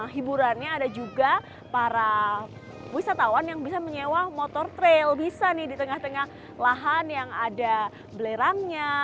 hiburannya ada juga para wisatawan yang bisa menyewa motor trail bisa nih di tengah tengah lahan yang ada belerangnya